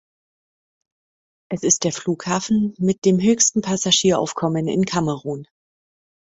Es ist der Flughafen mit dem höchsten Passagieraufkommen in Kamerun.